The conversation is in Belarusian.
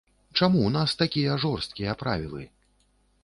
Чаму ў нас такія жорсткія правілы?